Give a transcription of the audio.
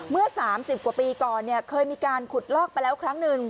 เมื่อ๓๐กว่าปีก่อนเคยมีการขุดลอกไปแล้วครั้งหนึ่ง